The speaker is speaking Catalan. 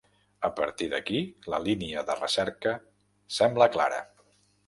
A partir d'aquí, la línia de recerca sembla clara.